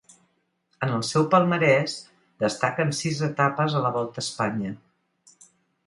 En el seu palmarès destaquen sis etapes a la Volta a Espanya.